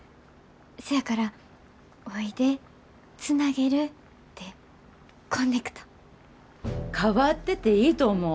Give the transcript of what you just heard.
せやからおいでつなげるで「こんねくと」。変わってていいと思う。